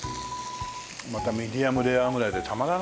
またミディアムレアぐらいでたまらないね。